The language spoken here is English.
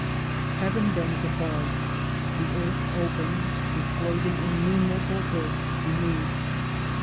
Heaven bends above, the Earth opens disclosing innu merable births beneath.